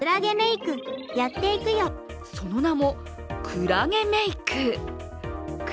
その名も、くらげメイク。